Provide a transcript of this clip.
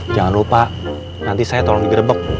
jangan lupa nanti saya tolong digerebek